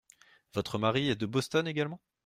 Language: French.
Votre mari est de Boston également ?